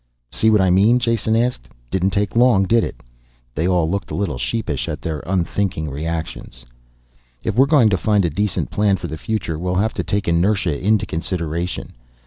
"See what I mean?" Jason asked. "Didn't take long did it?" They all looked a little sheepish at their unthinking reactions. "If we're going to find a decent plan for the future, we'll have to take inertia into consideration.